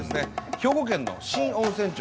兵庫県の新温泉町。